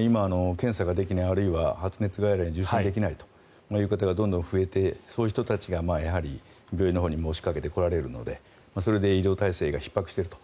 今、検査ができないあるいは発熱外来に受診できない方がどんどん増えてそういう人たちが病院のほうにも押しかけてこられるのでそれで医療体制がひっ迫していると。